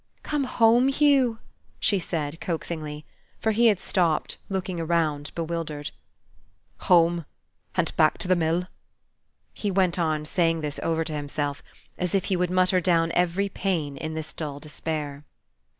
"Come home, Hugh!" she said, coaxingly; for he had stopped, looking around bewildered. "Home, and back to the mill!" He went on saying this over to himself, as if he would mutter down every pain in this dull despair.